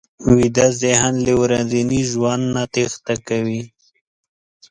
ویده ذهن له ورځني ژوند نه تېښته کوي